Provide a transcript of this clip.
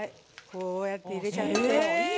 こうやって入れちゃう。